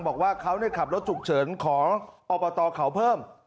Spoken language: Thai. บอกว่าเขาขับรถฉุกเฉินของอบตเขาเพิ่ม